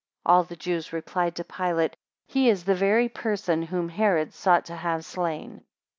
19 All the Jews replied to Pilate, he is the very person whom Herod sought to have slain.